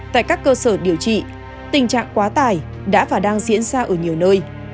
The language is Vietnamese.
tại các cơ sở điều trị tình trạng quá tải đã và đang diễn ra ở nhiều nơi